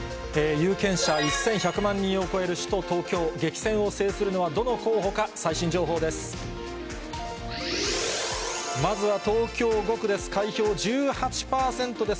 有権者１１００万人を超える首都・東京、激戦を制するのはどの候補か、最新情報です。